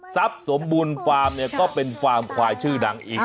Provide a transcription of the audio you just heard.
สมบูรณ์ฟาร์มเนี่ยก็เป็นฟาร์มควายชื่อดังอีก